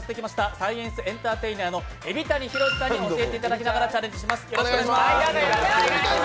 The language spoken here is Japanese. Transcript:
サイエンスエンターテイナーの海老谷浩さんに教えていただきながらチャレンジします。